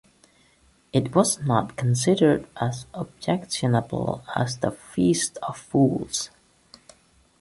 It was not considered as objectionable as the Feast of Fools.